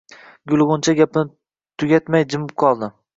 Gulg‘uncha gapini tugatmay jimib qoldi.